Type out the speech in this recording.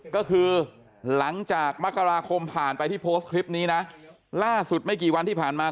ก็คือหลังจากมกราคมผ่านไปที่โพสต์คลิปนี้นะล่าสุดไม่กี่วันที่ผ่านมา